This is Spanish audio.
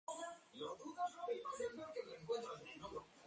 Las instalaciones de Gibraltar sufrieron graves daños.